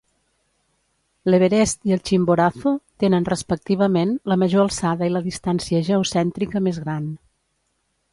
L'Everest i el Chimborazo tenen, respectivament, la major alçada y la distància geocèntrica més gran.